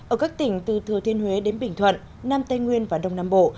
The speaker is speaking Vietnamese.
ở các tỉnh từ thừa thiên huế đến bình thuận nam tây nguyên và đông nam bộ